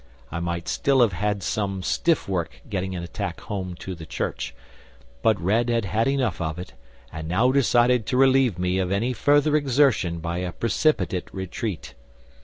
I might still have had some stiff work getting an attack home to the church, but Red had had enough of it, and now decided to relieve me of any further exertion by a precipitate retreat.